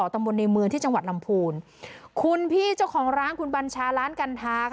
ตำบลในเมืองที่จังหวัดลำพูนคุณพี่เจ้าของร้านคุณบัญชาร้านกัณฑาค่ะ